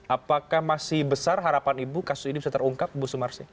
apakah masih besar harapan ibu kasus ini bisa terungkap ibu sumarsi